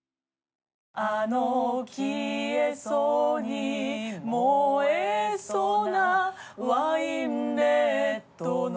「あの消えそうに燃えそうなワインレッドの」